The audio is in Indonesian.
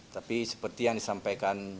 tapi seperti yang disampaikan bu sekjen tadi